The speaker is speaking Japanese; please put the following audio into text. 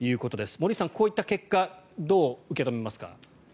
森内さん、こういった結果どう受け止めますか？